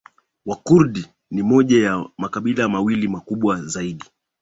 Wakurdi ni moja ya makabila mawili makubwa zaidi